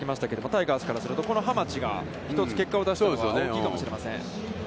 タイガースからすると、浜地が１つ結果を出したのは、大きいかもしれません。